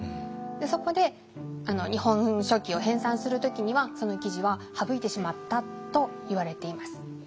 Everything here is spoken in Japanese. そこで「日本書紀」を編さんする時にはその記事は省いてしまったといわれています。